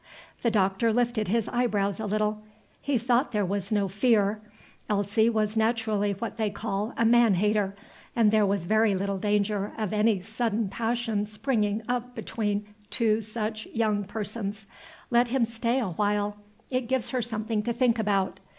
The Doctor lifted his eyebrows a little. He thought there was no fear. Elsie was naturally what they call a man hater, and there was very little danger of any sudden passion springing up between two such young persons. Let him stay awhile; it gives her something to think about.